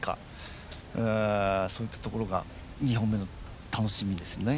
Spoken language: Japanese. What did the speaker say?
そういったところが２本目の楽しみですよね。